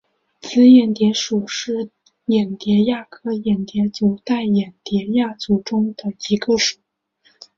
紫眼蝶属是眼蝶亚科眼蝶族黛眼蝶亚族中的一个属。